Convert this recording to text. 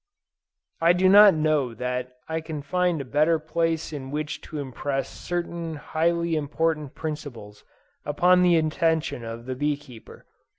I do not know that I can find a better place in which to impress certain highly important principles upon the attention of the bee keeper.